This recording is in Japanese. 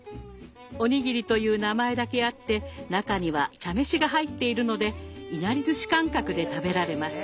おにぎりという名前だけあって中には茶飯が入っているのでいなりずし感覚で食べられます。